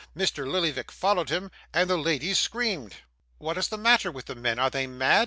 Mr. Lillyvick followed him, and the ladies screamed. 'What is the matter with the men! Are they mad?